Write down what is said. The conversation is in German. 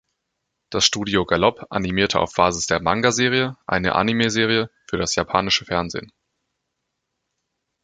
Das Studio Gallop animierte auf Basis der Manga-Serie eine Anime-Serie für das japanische Fernsehen.